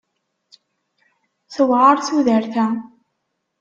Tewɛer tudert-a.